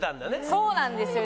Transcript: そうなんですよ。